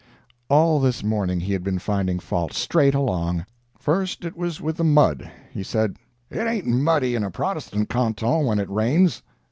All this morning he had been finding fault, straight along. First it was with the mud. He said, "It ain't muddy in a Protestant canton when it rains."